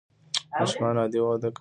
ماشومان عادي وده کوي.